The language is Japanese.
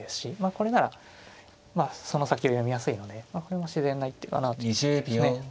これならその先を読みやすいのでこれも自然な一手かなというところですね。